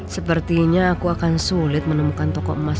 sepertinya aku akan sulit menemukan toko emas